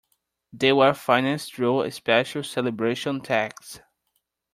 They were financed through a special celebration tax.